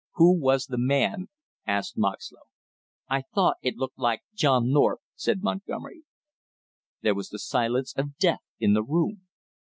"Who was the man?" asked Moxlow. "I thought he looked like John North," said Montgomery. There was the silence of death in the room.